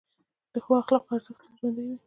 د ښو اخلاقو ارزښت تل ژوندی وي.